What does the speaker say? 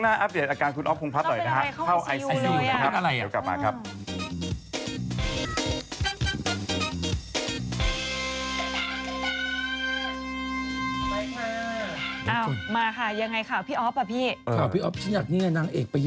นี่ไงถูกบ่อยจริงค่ะ